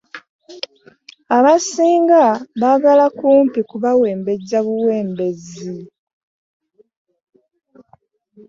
Abasinga baagala kumpi kubawembejja buwembezzi.